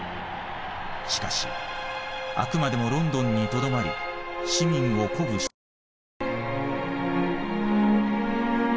しかしあくまでもロンドンにとどまり市民を鼓舞し続けた。